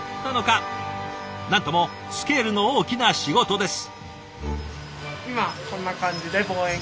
なんともスケールの大きな仕事です。